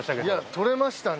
取れましたね。